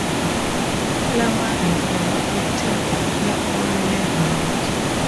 Flowering and fruiting occur all year round.